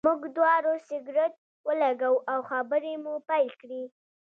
موږ دواړو سګرټ ولګاوه او خبرې مو پیل کړې.